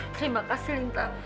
terima kasih linta